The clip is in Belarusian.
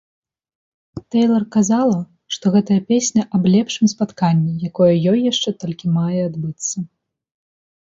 Тэйлар казала, што гэтая песня аб лепшым спатканні, якое ёй яшчэ толькі мае адбыцца.